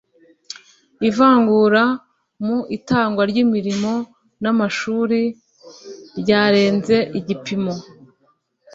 ivangura mu itangwa ry’imirimo n’amashuri ryarenze igipimo…